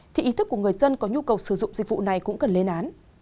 thì ý thức của người dân có nhu cầu sử dụng dịch vụ này cũng cần lên án